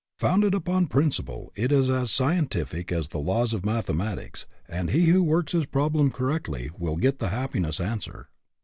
Founded upon principle, it is as scien tific as the laws of mathematics, and he who works his problem correctly will get the happi ness answer.